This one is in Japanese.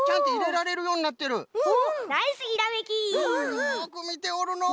よくみておるのう。